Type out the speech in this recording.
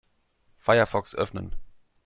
Firefox öffnen.